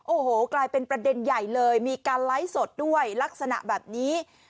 โอ้โหกลายเป็นประเด็นใหญ่เลยมีการไลฟ์สดด้วยลักษณะแบบนี้